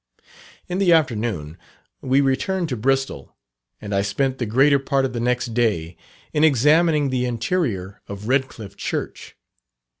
In the afternoon we returned to Bristol, and I spent the greater part of the next day in examining the interior of Redcliffe Church.